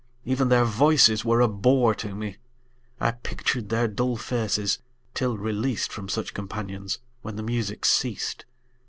Even their voices were a bore to me; I pictured their dull faces, till released From such companions, when the music ceased.